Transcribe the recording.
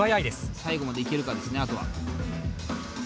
最後までいけるかですねあとは。